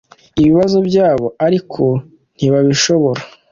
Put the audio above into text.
ibibazo byabo ariko ntibabishobora